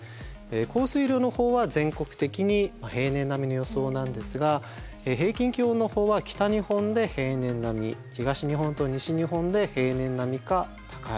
降水量のほうは全国的に平年並みの予想なんですが平均気温のほうは北日本で平年並み東日本と西日本で平年並みか高い。